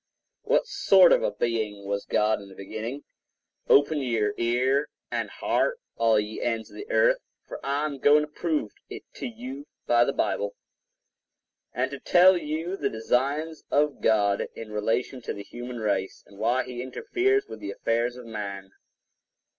What sort of a being was God in the beginning? Open your ears and hear, all ye ends of the earth, for I am going to prove it to you by the Bible, and to tell you the designs of God in relation to the human race, and why He interferes with the affairs of man.